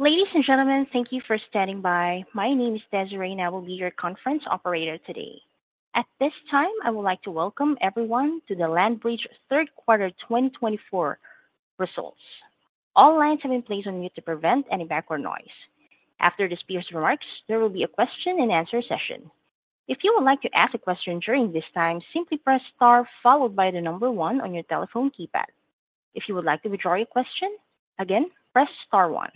Ladies and gentlemen, thank you for standing by. My name is Desiree, and I will be your conference operator today. At this time, I would like to welcome everyone to the LandBridge third quarter 2024 results. All lines have been placed on mute to prevent any background noise. After this speaker's remarks, there will be a question and answer session. If you would like to ask a question during this time, simply press star followed by the number one on your telephone keypad. If you would like to withdraw your question, again, press star one.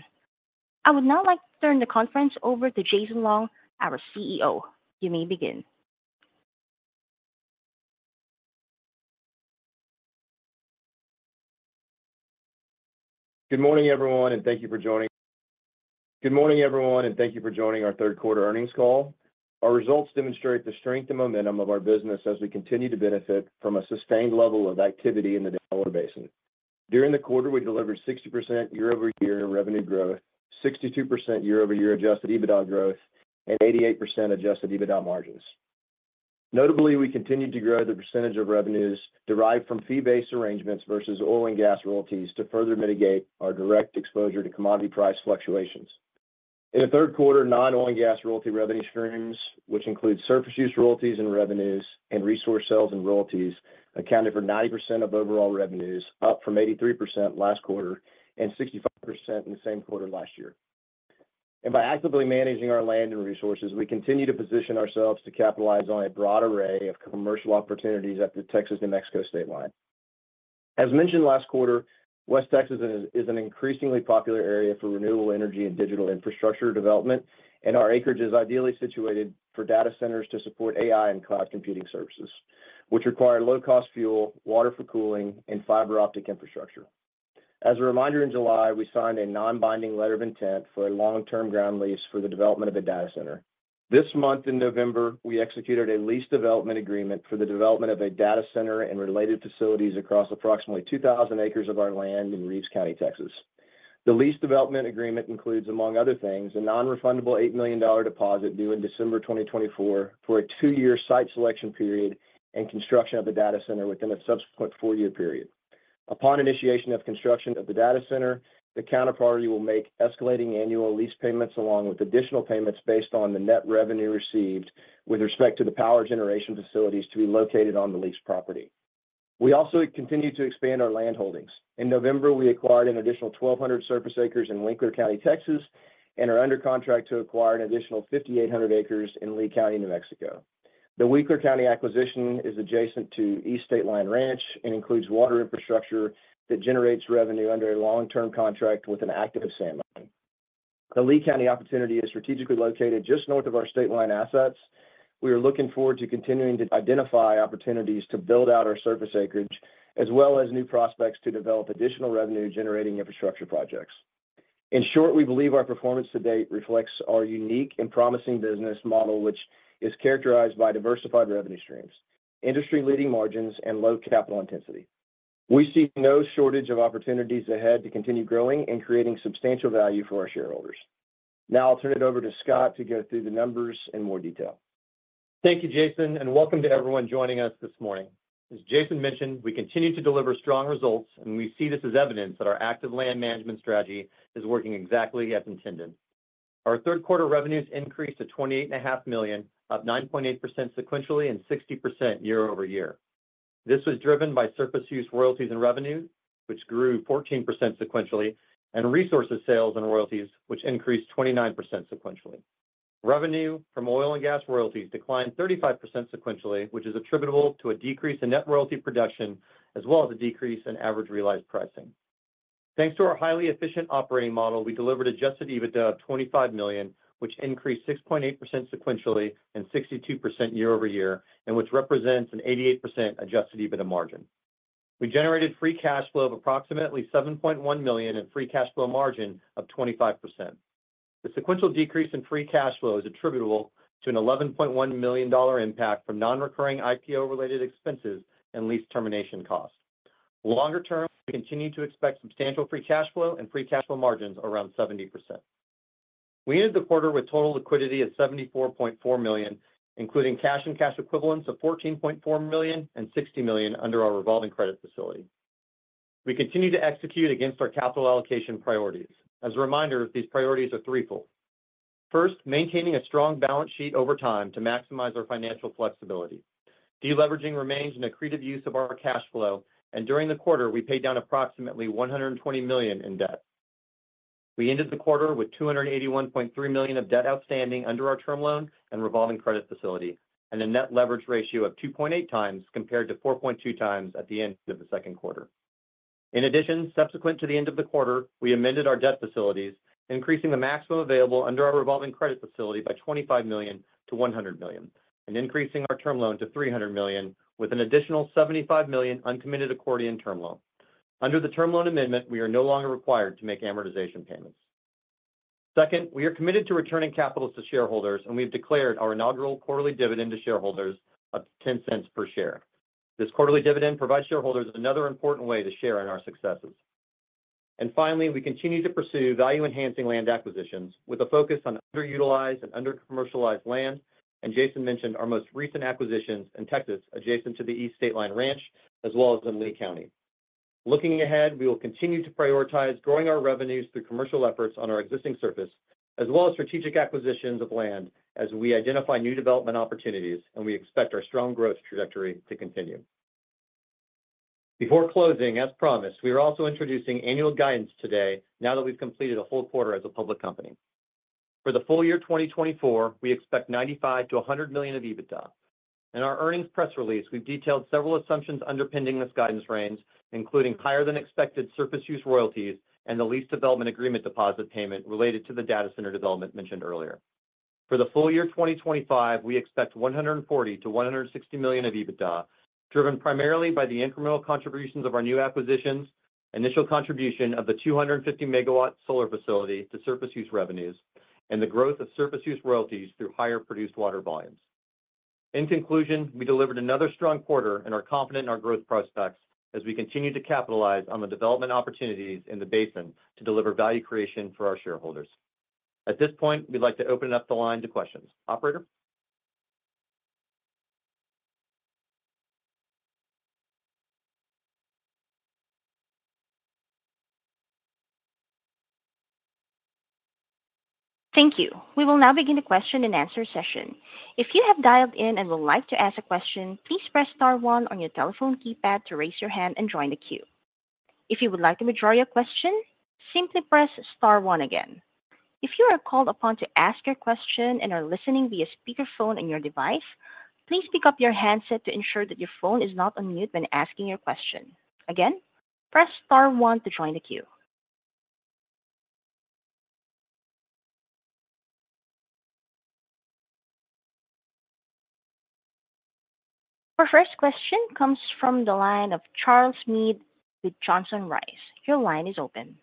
I would now like to turn the conference over to Jason Long, our CEO. You may begin. Good morning, everyone, and thank you for joining. Good morning, everyone, and thank you for joining our third quarter earnings call. Our results demonstrate the strength and momentum of our business as we continue to benefit from a sustained level of activity in the Delaware Basin. During the quarter, we delivered 60% year-over-year revenue growth, 62% year-over-year Adjusted EBITDA growth, and 88% Adjusted EBITDA margins. Notably, we continued to grow the percentage of revenues derived from fee-based arrangements versus oil and gas royalties to further mitigate our direct exposure to commodity price fluctuations. In the third quarter, non-oil and gas royalty revenue streams, which include surface use royalties and revenues and resource sales and royalties, accounted for 90% of overall revenues, up from 83% last quarter and 65% in the same quarter last year. And by actively managing our land and resources, we continue to position ourselves to capitalize on a broad array of commercial opportunities at the Texas-New Mexico state line. As mentioned last quarter, West Texas is an increasingly popular area for renewable energy and digital infrastructure development, and our acreage is ideally situated for data centers to support AI and cloud computing services, which require low-cost fuel, water for cooling, and fiber optic infrastructure. As a reminder, in July, we signed a non-binding letter of intent for a long-term ground lease for the development of a data center. This month in November, we executed a lease development agreement for the development of a data center and related facilities across approximately 2,000 acres of our land in Reeves County, Texas. The lease development agreement includes, among other things, a non-refundable $8 million deposit due in December 2024 for a two-year site selection period and construction of the data center within a subsequent four-year period. Upon initiation of construction of the data center, the counterparty will make escalating annual lease payments along with additional payments based on the net revenue received with respect to the power generation facilities to be located on the leased property. We also continue to expand our land holdings. In November, we acquired an additional 1,200 surface acres in Winkler County, Texas, and are under contract to acquire an additional 5,800 acres in Lea County, New Mexico. The Winkler County acquisition is adjacent to East Stateline Ranch and includes water infrastructure that generates revenue under a long-term contract with an active sand mine. The Lea County opportunity is strategically located just north of our state line assets. We are looking forward to continuing to identify opportunities to build out our surface acreage, as well as new prospects to develop additional revenue-generating infrastructure projects. In short, we believe our performance to date reflects our unique and promising business model, which is characterized by diversified revenue streams, industry-leading margins, and low capital intensity. We see no shortage of opportunities ahead to continue growing and creating substantial value for our shareholders. Now I'll turn it over to Scott to go through the numbers in more detail. Thank you, Jason, and welcome to everyone joining us this morning. As Jason mentioned, we continue to deliver strong results, and we see this as evidence that our active land management strategy is working exactly as intended. Our third quarter revenues increased to $28.5 million, up 9.8% sequentially and 60% year-over-year. This was driven by surface use royalties and revenue, which grew 14% sequentially, and resource sales and royalties, which increased 29% sequentially. Revenue from oil and gas royalties declined 35% sequentially, which is attributable to a decrease in net royalty production as well as a decrease in average realized pricing. Thanks to our highly efficient operating model, we delivered adjusted EBITDA of $25 million, which increased 6.8% sequentially and 62% year-over-year, and which represents an 88% adjusted EBITDA margin. We generated free cash flow of approximately $7.1 million and free cash flow margin of 25%. The sequential decrease in free cash flow is attributable to an $11.1 million impact from non-recurring IPO-related expenses and lease termination cost. Longer term, we continue to expect substantial free cash flow and free cash flow margins around 70%. We ended the quarter with total liquidity of $74.4 million, including cash and cash equivalents of $14.4 million and $60 million under our revolving credit facility. We continue to execute against our capital allocation priorities. As a reminder, these priorities are threefold. First, maintaining a strong balance sheet over time to maximize our financial flexibility. Deleveraging remains an accretive use of our cash flow, and during the quarter, we paid down approximately $120 million in debt. We ended the quarter with $281.3 million of debt outstanding under our term loan and revolving credit facility, and a net leverage ratio of 2.8 times compared to 4.2 times at the end of the second quarter. In addition, subsequent to the end of the quarter, we amended our debt facilities, increasing the maximum available under our revolving credit facility by $25 million to $100 million, and increasing our term loan to $300 million with an additional $75 million uncommitted accordion term loan. Under the term loan amendment, we are no longer required to make amortization payments. Second, we are committed to returning capital to shareholders, and we have declared our inaugural quarterly dividend to shareholders of $0.10 per share. This quarterly dividend provides shareholders another important way to share in our successes. And finally, we continue to pursue value-enhancing land acquisitions with a focus on underutilized and under-commercialized land, and Jason mentioned our most recent acquisitions in Texas adjacent to the East Stateline Ranch, as well as in Lea County. Looking ahead, we will continue to prioritize growing our revenues through commercial efforts on our existing surface, as well as strategic acquisitions of land as we identify new development opportunities, and we expect our strong growth trajectory to continue. Before closing, as promised, we are also introducing annual guidance today, now that we've completed a full quarter as a public company. For the full year 2024, we expect $95 million-$100 million of EBITDA. In our earnings press release, we've detailed several assumptions underpinning this guidance range, including higher-than-expected surface use royalties and the lease development agreement deposit payment related to the data center development mentioned earlier. For the full year 2025, we expect $140 million-$160 million of EBITDA, driven primarily by the incremental contributions of our new acquisitions, initial contribution of the 250-megawatt solar facility to surface use revenues, and the growth of surface use royalties through higher produced water volumes. In conclusion, we delivered another strong quarter and are confident in our growth prospects as we continue to capitalize on the development opportunities in the basin to deliver value creation for our shareholders. At this point, we'd like to open up the line to questions. Operator? Thank you. We will now begin the question and answer session. If you have dialed in and would like to ask a question, please press star one on your telephone keypad to raise your hand and join the queue. If you would like to withdraw your question, simply press star one again. If you are called upon to ask your question and are listening via speakerphone on your device, please pick up your handset to ensure that your phone is not on mute when asking your question. Again, press star one to join the queue. Our first question comes from the line of Charles Meade with Johnson Rice. Your line is open.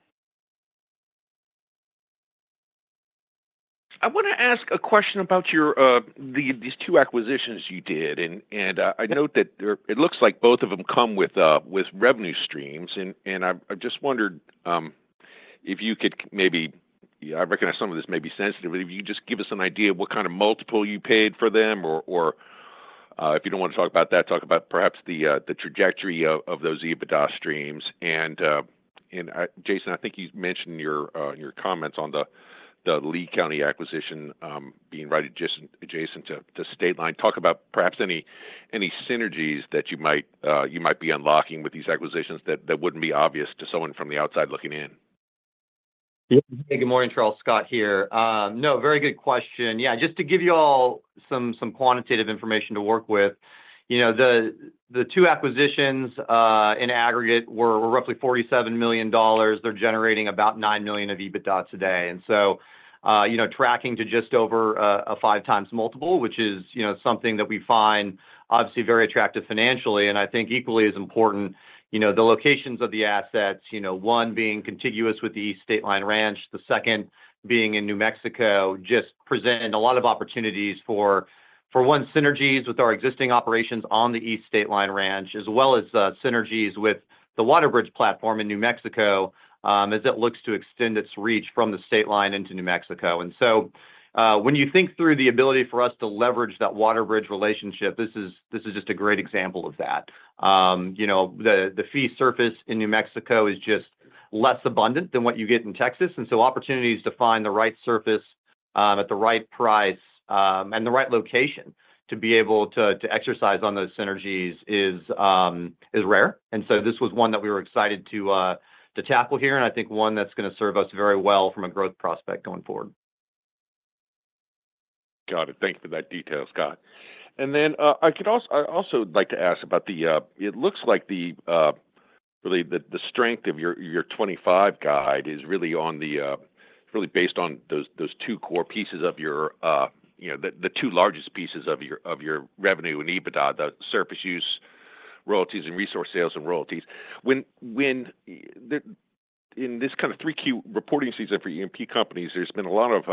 I want to ask a question about these two acquisitions you did, and I note that it looks like both of them come with revenue streams, and I just wondered if you could maybe. I recognize some of this may be sensitive. But if you could just give us an idea of what kind of multiple you paid for them, or if you don't want to talk about that, talk about perhaps the trajectory of those EBITDA streams. And Jason, I think you mentioned in your comments on the Lea County acquisition being right adjacent to State Line. Talk about perhaps any synergies that you might be unlocking with these acquisitions that wouldn't be obvious to someone from the outside looking in. Good morning, Charles. Scott here. No, very good question. Yeah, just to give you all some quantitative information to work with, the two acquisitions in aggregate were roughly $47 million. They're generating about $9 million of EBITDA today. And so tracking to just over a five-times multiple, which is something that we find obviously very attractive financially, and I think equally as important, the locations of the assets, one being contiguous with the East Stateline Ranch, the second being in New Mexico, just present a lot of opportunities for, for one, synergies with our existing operations on the East Stateline Ranch, as well as synergies with the WaterBridge platform in New Mexico as it looks to extend its reach from the state line into New Mexico. And so when you think through the ability for us to leverage that WaterBridge relationship, this is just a great example of that. The fee surface in New Mexico is just less abundant than what you get in Texas, and so opportunities to find the right surface at the right price and the right location to be able to exercise on those synergies is rare. And so this was one that we were excited to tackle here, and I think one that's going to serve us very well from a growth prospect going forward. Got it. Thank you for that detail, Scott. And then I also would like to ask about the, it looks like really the strength of your 2025 guide is really based on those two core pieces of your, the two largest pieces of your revenue and EBITDA, the surface use royalties and resource sales and royalties. In this kind of third quarter reporting season for E&P companies, there's been a lot of,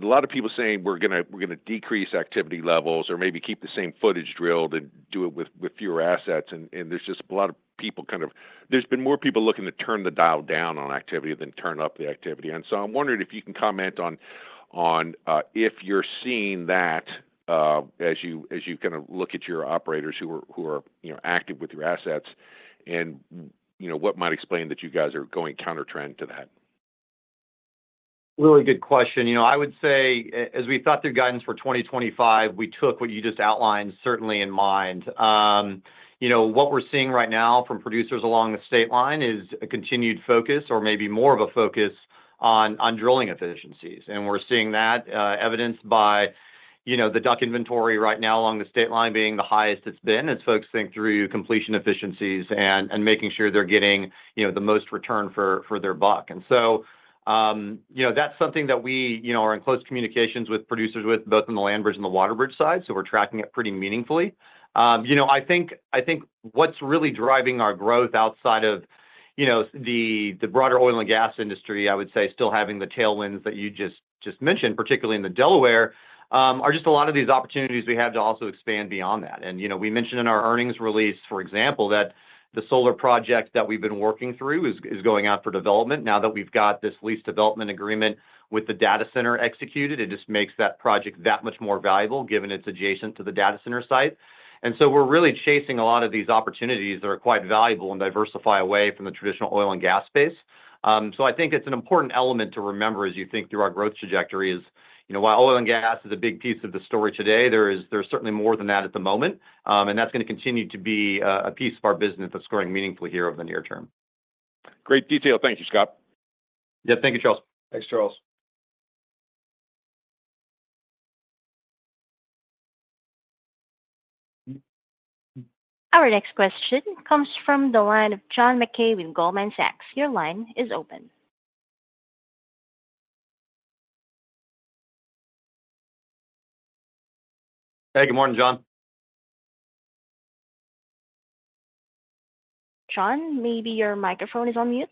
a lot of people saying, "We're going to decrease activity levels or maybe keep the same footage drilled and do it with fewer assets," and there's just a lot of people kind of, there's been more people looking to turn the dial down on activity than turn up the activity. And so I'm wondering if you can comment on if you're seeing that as you kind of look at your operators who are active with your assets and what might explain that you guys are going countertrend to that? Really good question. I would say, as we thought through guidance for 2025, we took what you just outlined certainly in mind. What we're seeing right now from producers along the state line is a continued focus or maybe more of a focus on drilling efficiencies, and we're seeing that evidenced by the DUC inventory right now along the state line being the highest it's been as folks think through completion efficiencies and making sure they're getting the most return for their buck, and so that's something that we are in close communications with producers with, both on the LandBridge and the WaterBridge side, so we're tracking it pretty meaningfully. I think what's really driving our growth outside of the broader oil and gas industry, I would say, still having the tailwinds that you just mentioned, particularly in the Delaware, are just a lot of these opportunities we have to also expand beyond that. And we mentioned in our earnings release, for example, that the solar project that we've been working through is going out for development now that we've got this lease development agreement with the data center executed. It just makes that project that much more valuable given it's adjacent to the data center site. And so we're really chasing a lot of these opportunities that are quite valuable and diversify away from the traditional oil and gas space. So, I think it's an important element to remember as you think through our growth trajectory, while oil and gas is a big piece of the story today. There's certainly more than that at the moment, and that's going to continue to be a piece of our business that's growing meaningfully here over the near term. Great detail. Thank you, Scott. Yeah, thank you, Charles. Thanks, Charles. Our next question comes from the line of John Mackay with Goldman Sachs. Your line is open. Hey, good morning, John. John, maybe your microphone is on mute.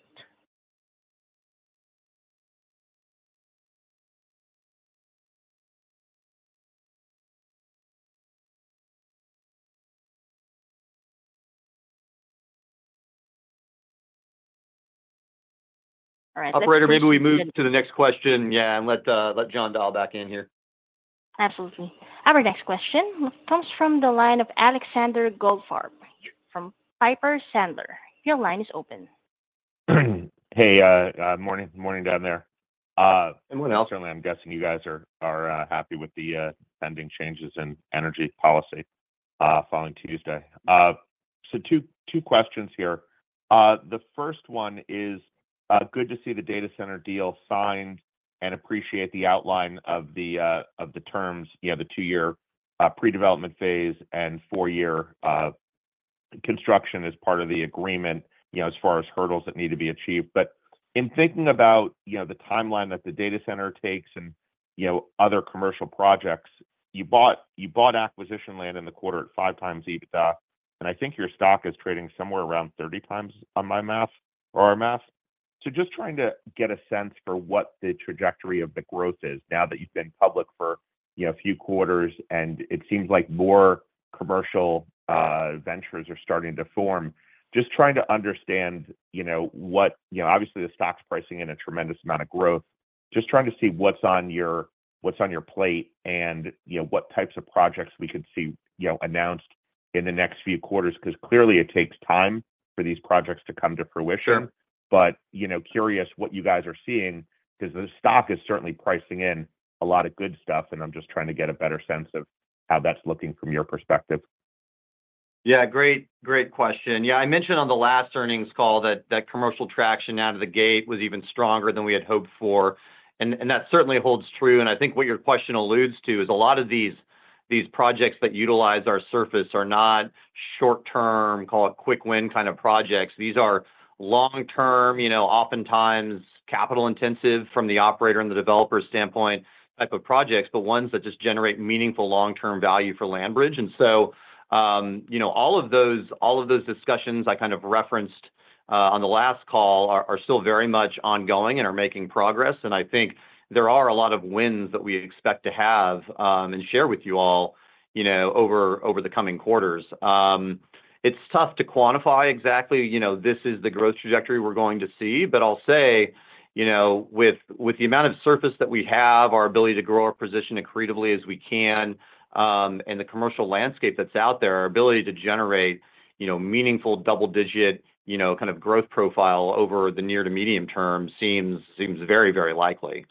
Operator, maybe we move to the next question, yeah, and let John dial back in here. Absolutely. Our next question comes from the line of Alexander Goldfarb from Piper Sandler. Your line is open. Hey, good morning down there. Are you guys happy with the pending changes in energy policy following Tuesday? So two questions here. The first one is, good to see the data center deal signed and appreciate the outline of the terms, the two-year pre-development phase and four-year construction as part of the agreement as far as hurdles that need to be achieved. But in thinking about the timeline that the data center takes and other commercial projects, you bought acquisition land in the quarter at five times EBITDA, and I think your stock is trading somewhere around 30 times on my math or our math. So just trying to get a sense for what the trajectory of the growth is now that you've been public for a few quarters, and it seems like more commercial ventures are starting to form. Just trying to understand what obviously the stock's pricing in a tremendous amount of growth. Just trying to see what's on your plate and what types of projects we could see announced in the next few quarters because clearly it takes time for these projects to come to fruition. But curious what you guys are seeing because the stock is certainly pricing in a lot of good stuff, and I'm just trying to get a better sense of how that's looking from your perspective. Yeah, great question. Yeah, I mentioned on the last earnings call that commercial traction out of the gate was even stronger than we had hoped for. And that certainly holds true. And I think what your question alludes to is a lot of these projects that utilize our surface are not short-term, call it quick win kind of projects. These are long-term, oftentimes capital intensive from the operator and the developer standpoint type of projects, but ones that just generate meaningful long-term value for LandBridge. And so all of those discussions I kind of referenced on the last call are still very much ongoing and are making progress. And I think there are a lot of wins that we expect to have and share with you all over the coming quarters. It's tough to quantify exactly. This is the growth trajectory we're going to see, but I'll say with the amount of surface that we have, our ability to grow our position accretively as we can, and the commercial landscape that's out there, our ability to generate meaningful double-digit kind of growth profile over the near to medium term seems very, very likely.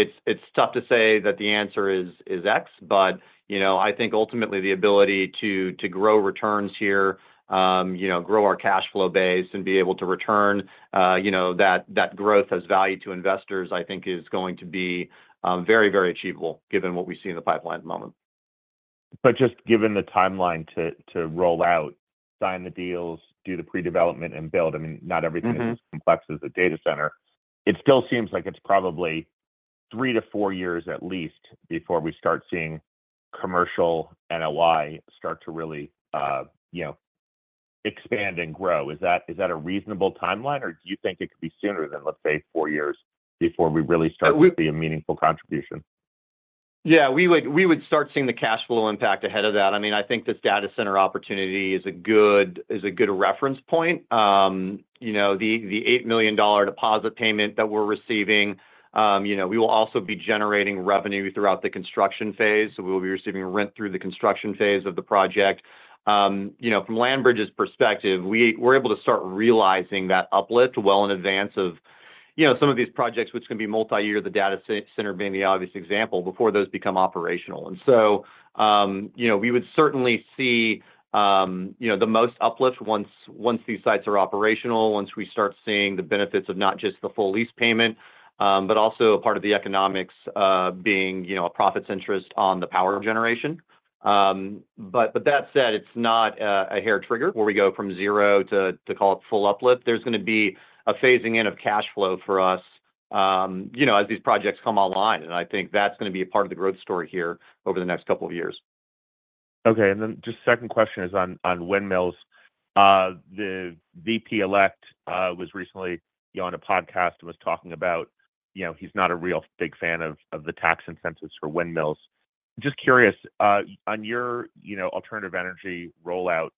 It's tough to say that the answer is X, but I think ultimately the ability to grow returns here, grow our cash flow base, and be able to return that growth as value to investors, I think is going to be very, very achievable given what we see in the pipeline at the moment. But just given the timeline to roll out, sign the deals, do the pre-development, and build, I mean, not everything is as complex as a data center. It still seems like it's probably three to four years at least before we start seeing commercial NOI start to really expand and grow. Is that a reasonable timeline, or do you think it could be sooner than, let's say, four years before we really start to see a meaningful contribution? Yeah, we would start seeing the cash flow impact ahead of that. I mean, I think this data center opportunity is a good reference point. The $8 million deposit payment that we're receiving, we will also be generating revenue throughout the construction phase. We will be receiving rent through the construction phase of the project. From LandBridge's perspective, we're able to start realizing that uplift well in advance of some of these projects, which can be multi-year, the data center being the obvious example, before those become operational. And so we would certainly see the most uplift once these sites are operational, once we start seeing the benefits of not just the full lease payment, but also part of the economics being a profits interest on the power generation. But that said, it's not a hair trigger where we go from zero to call it full uplift. There's going to be a phasing in of cash flow for us as these projects come online, and I think that's going to be a part of the growth story here over the next couple of years. Okay. And then just second question is on windmills. The VP-elect was recently on a podcast and was talking about he's not a real big fan of the tax incentives for windmills. Just curious, on your alternative energy rollout,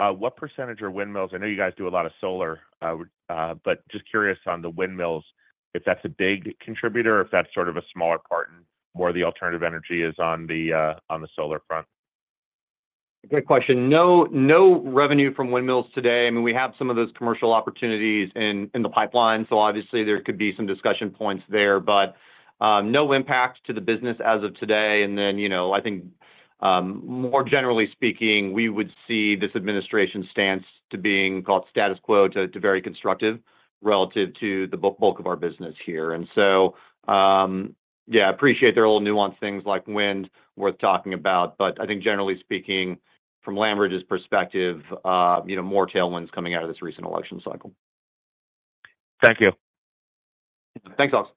what percentage are windmills? I know you guys do a lot of solar, but just curious on the windmills, if that's a big contributor or if that's sort of a smaller part and more of the alternative energy is on the solar front. Great question. No revenue from windmills today. I mean, we have some of those commercial opportunities in the pipeline, so obviously there could be some discussion points there, but no impact to the business as of today. And then I think more generally speaking, we would see this administration's stance to being called status quo to very constructive relative to the bulk of our business here. And so, yeah, appreciate there are a little nuanced things like wind worth talking about, but I think generally speaking, from LandBridge's perspective, more tailwinds coming out of this recent election cycle. Thank you. Thanks, Alex.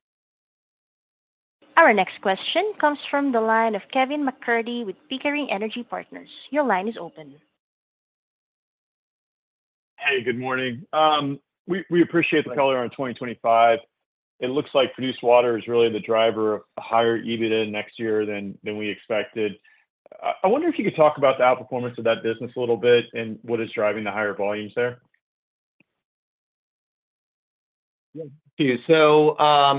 Our next question comes from the line of Kevin MacCurdy with Pickering Energy Partners. Your line is open. Hey, good morning. We appreciate the color on 2025. It looks like produced water is really the driver of a higher EBITDA next year than we expected. I wonder if you could talk about the outperformance of that business a little bit and what is driving the higher volumes there? So I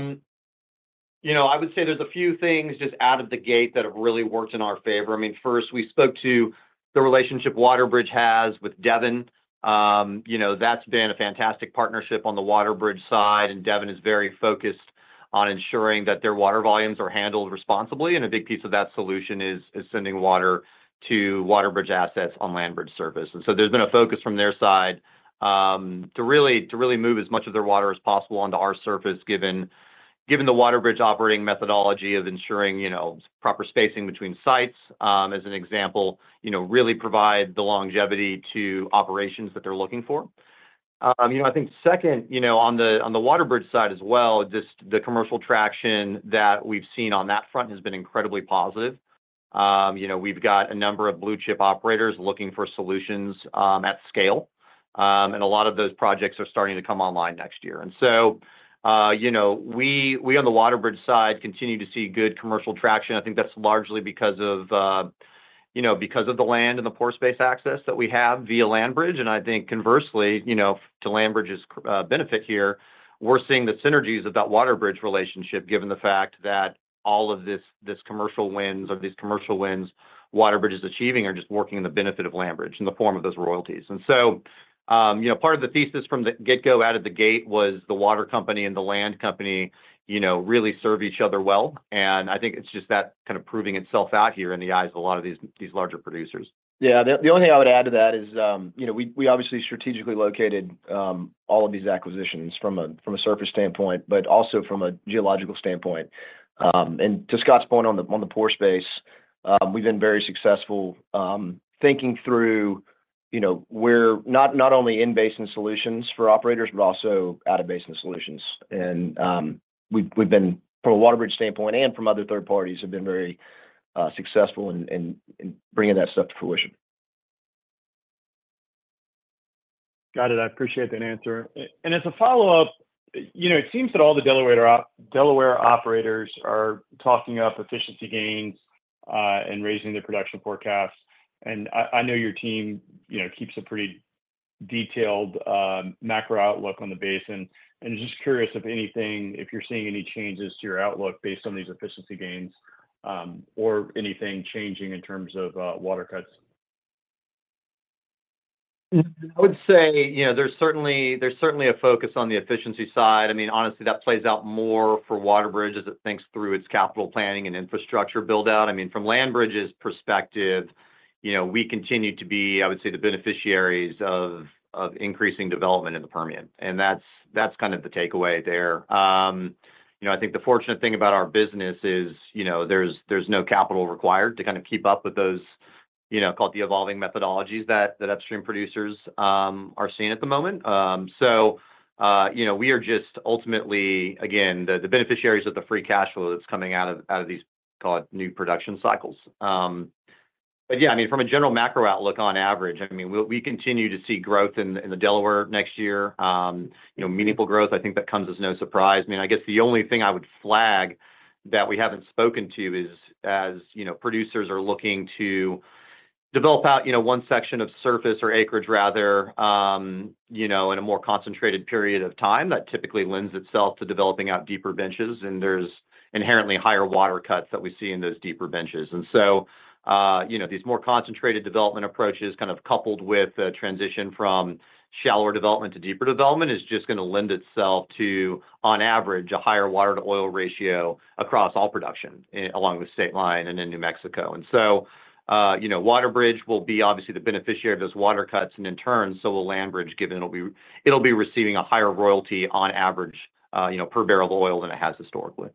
would say there's a few things just out of the gate that have really worked in our favor. I mean, first, we spoke to the relationship WaterBridge has with Devon. That's been a fantastic partnership on the WaterBridge side, and Devon is very focused on ensuring that their water volumes are handled responsibly. And a big piece of that solution is sending water to WaterBridge assets on LandBridge surface. And so there's been a focus from their side to really move as much of their water as possible onto our surface, given the WaterBridge operating methodology of ensuring proper spacing between sites, as an example, really provide the longevity to operations that they're looking for. I think second, on the WaterBridge side as well, just the commercial traction that we've seen on that front has been incredibly positive. We've got a number of blue chip operators looking for solutions at scale, and a lot of those projects are starting to come online next year. And so we on the WaterBridge side continue to see good commercial traction. I think that's largely because of the land and the pore space access that we have via LandBridge. And I think conversely, to LandBridge's benefit here, we're seeing the synergies of that WaterBridge relationship, given the fact that all of this commercial wins or these commercial wins WaterBridge is achieving are just working in the benefit of LandBridge in the form of those royalties. And so part of the thesis from the get-go out of the gate was the water company and the land company really serve each other well. I think it's just that kind of proving itself out here in the eyes of a lot of these larger producers. Yeah. The only thing I would add to that is we obviously strategically located all of these acquisitions from a surface standpoint, but also from a geological standpoint. And to Scott's point on the pore space, we've been very successful thinking through not only in basin solutions for operators, but also out of basin solutions. And from a WaterBridge standpoint and from other third parties, have been very successful in bringing that stuff to fruition. Got it. I appreciate that answer. And as a follow-up, it seems that all the Delaware operators are talking up efficiency gains and raising their production forecasts. And I know your team keeps a pretty detailed macro outlook on the basin. And just curious if you're seeing any changes to your outlook based on these efficiency gains or anything changing in terms of water cuts? I would say there's certainly a focus on the efficiency side. I mean, honestly, that plays out more for WaterBridge as it thinks through its capital planning and infrastructure build-out. I mean, from LandBridge's perspective, we continue to be, I would say, the beneficiaries of increasing development in the Permian, and that's kind of the takeaway there. I think the fortunate thing about our business is there's no capital required to kind of keep up with those called the evolving methodologies that upstream producers are seeing at the moment. So we are just ultimately, again, the beneficiaries of the free cash flow that's coming out of these called new production cycles, but yeah, I mean, from a general macro outlook on average, I mean, we continue to see growth in the Delaware next year, meaningful growth. I think that comes as no surprise. I mean, I guess the only thing I would flag that we haven't spoken to is as producers are looking to develop out one section of surface or acreage rather in a more concentrated period of time, that typically lends itself to developing out deeper benches. And there's inherently higher water cuts that we see in those deeper benches. And so these more concentrated development approaches kind of coupled with the transition from shallower development to deeper development is just going to lend itself to, on average, a higher water-to-oil ratio across all production along the state line and in New Mexico. And so WaterBridge will be obviously the beneficiary of those water cuts. And in turn, so will LandBridge, given it'll be receiving a higher royalty on average per barrel of oil than it has historically.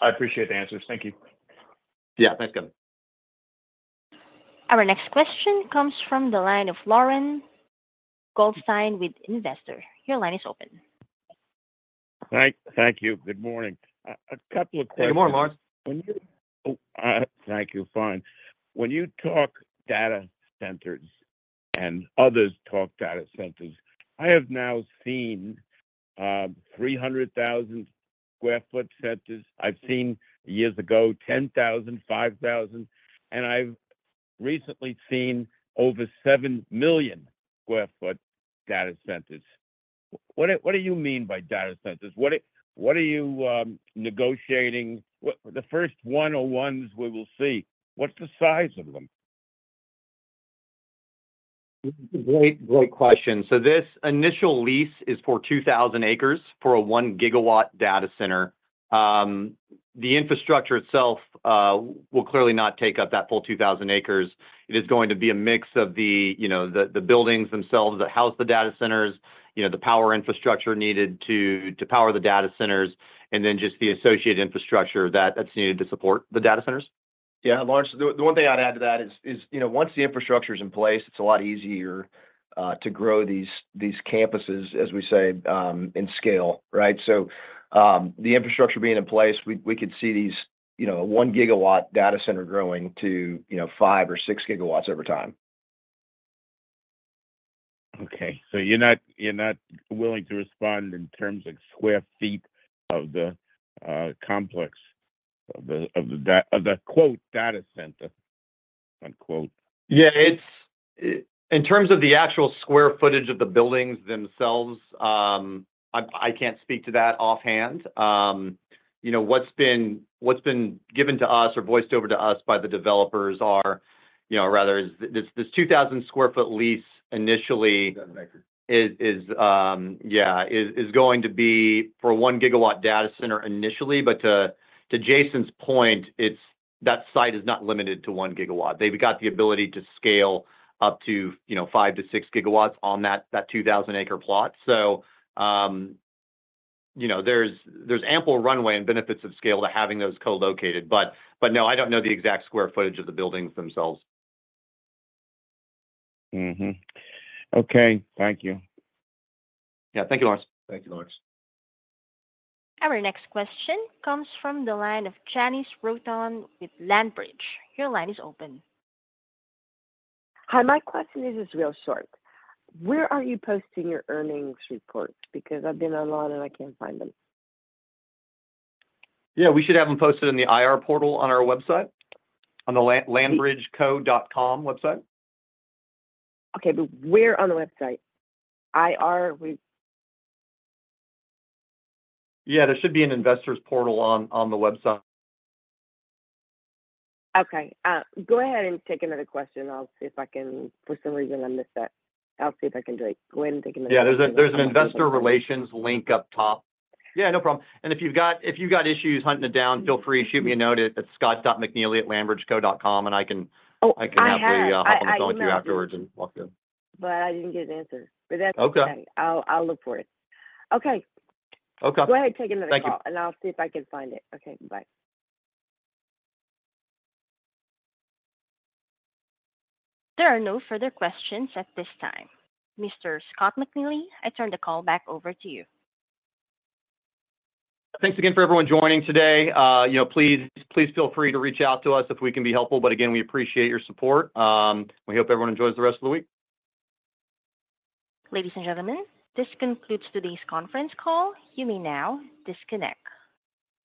I appreciate the answers. Thank you. Yeah, thanks, Kevin. Our next question comes from the line of Lauren Goldstein with Investor. Your line is open. Thank you. Good morning. A couple of questions. Good morning. Thank you. Fine. When you talk data centers and others talk data centers, I have now seen 300,000 sq ft centers. I've seen years ago 10,000, 5,000, and I've recently seen over 7 million sq ft data centers. What do you mean by data centers? What are you negotiating? The first one-on-ones we will see, what's the size of them? Great question. So this initial lease is for 2,000 acres for a 1 gigawatt data center. The infrastructure itself will clearly not take up that full 2,000 acres. It is going to be a mix of the buildings themselves that house the data centers, the power infrastructure needed to power the data centers, and then just the associated infrastructure that's needed to support the data centers. Yeah, the one thing I'd add to that is once the infrastructure is in place, it's a lot easier to grow these campuses, as we say, in scale, right? So the infrastructure being in place, we could see these one gigawatt data center growing to five or six gigawatts over time. Okay. So you're not willing to respond in terms of sq ft of the complex of the “data center,” unquote? Yeah. In terms of the actual square footage of the buildings themselves, I can't speak to that offhand. What's been given to us or voiced over to us by the developers is rather this 2,000-acre lease initially is, yeah, going to be for a 1-gigawatt data center initially. But to Jason's point, that site is not limited to 1 gigawatt. They've got the ability to scale up to 5 to 6 gigawatts on that 2,000-acre plot. So there's ample runway and benefits of scale to having those co-located. But no, I don't know the exact square footage of the buildings themselves. Okay. Thank you. Yeah. Thank you. Thank you. Our next question comes from the line of Janice Roton with LandBridge. Your line is open. Hi, my question is real short. Where are you posting your earnings reports? Because I've been online and I can't find them. Yeah. We should have them posted in the IR portal on our website, on the landbridgeco.com website. Okay. But where on the website? IR with. Yeah. There should be an investors portal on the website. Okay. Go ahead and take another question. I'll see if I can. For some reason, I missed that. I'll see if I can do it. Go ahead and take another question. Yeah. There's an investor relations link up top. Yeah. No problem. And if you've got issues hunting it down, feel free to shoot me a note at scott.mcneely@landbridgeco.com, and I can happily have a call with you afterwards and walk through it. But I didn't get an answer. But that's okay. I'll look for it. Okay. Okay. Go ahead and take another call, and I'll see if I can find it. Okay. Bye. There are no further questions at this time. Mr. Scott McNeely, I turn the call back over to you. Thanks again for everyone joining today. Please feel free to reach out to us if we can be helpful. But again, we appreciate your support. We hope everyone enjoys the rest of the week. Ladies and gentlemen, this concludes today's conference call. You may now disconnect.